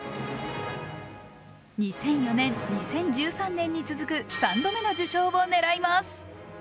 ２００４年、２０１３年に続く３度目の受賞を狙います。